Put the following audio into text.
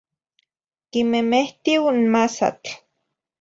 Quimemehtih n masatl.